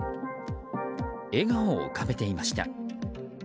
笑顔を浮かべていました。